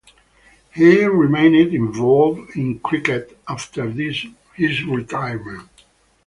He remained involved in cricket after his retirement.